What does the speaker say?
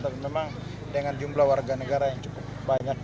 tapi memang dengan jumlah warga negara yang cukup banyak